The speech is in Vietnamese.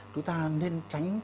chúng ta nên tránh